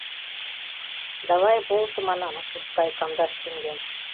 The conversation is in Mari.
— Давай, волто, — манам, — курскай, кандаш теҥгем.